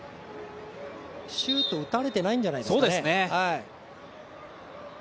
シュートを打たれてないんじゃないですかね？